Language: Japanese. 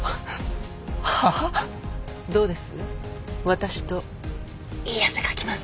私といい汗かきます？